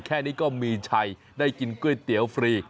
แค่นี้ก็มีชัยได้กินก๋วยเตี๋ยวฟรี